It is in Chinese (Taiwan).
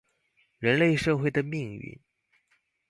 人類社會的命運